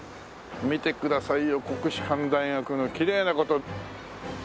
見てくださいよ国士舘大学のきれいなこと。